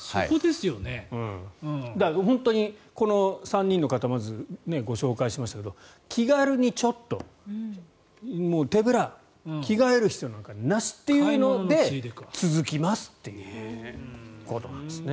本当にこの３人の方まずご紹介しましたが気軽にちょっと、手ぶら着替える必要なんかなしというので続きますということなんですね。